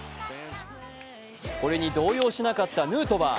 これに動揺しなかったヌートバー。